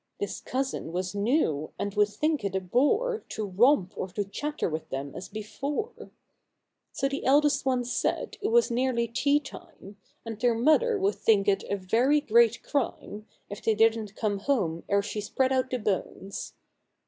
This Cousin was new, and would think it a bore To romp or to chatter with them as before ; So the eldest one said it was nearly tea time, And their Mother would think it a very great crime If they didn't come home ere she spread out the bones.